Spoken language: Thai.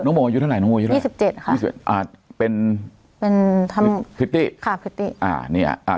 น้องโมวิอยู่เท่าไหร่คะเป็นพิฏิค่ะพิฏิ